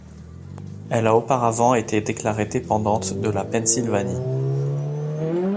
Elle a auparavant été déclarée dépendante de la Pennsylvanie.